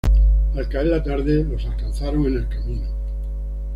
Al caer la tarde, los alcanzaron en el camino.